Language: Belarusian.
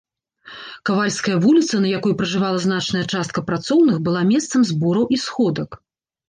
Кавальская вуліца, на якой пражывала значная частка працоўных, была месцам збораў і сходак.